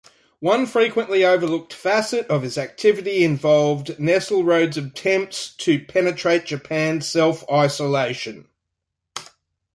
One frequently overlooked facet of his activity involved Nesselrode's attempts to penetrate Japan's self-isolation.